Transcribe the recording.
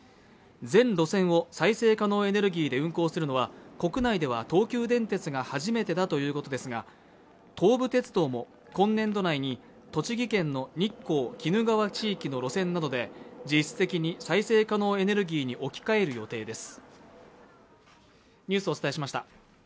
全路線を再生可能エネルギーで運行するのは国内では東急電鉄が初めてだということですが東武鉄道も今年度内に栃木県の日光・鬼怒川地域の路線などで実質的に再生可能エネルギーに置き換える予定です。